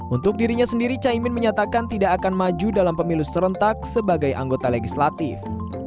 untuk dirinya sendiri caimin menyatakan tidak akan maju dalam pemilu serentak sebagai anggota legislatif